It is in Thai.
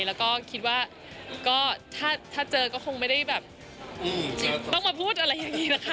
แล้วก็คิดว่าก็ถ้าเจอก็คงไม่ได้แบบต้องมาพูดอะไรอย่างนี้นะคะ